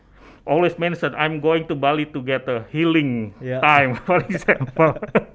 selalu mengatakan saya akan ke bali untuk mendapatkan waktu penyelamat